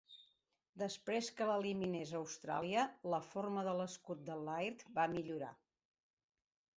Després que l'eliminés Austràlia, la forma de l'escut de Laird va millorar.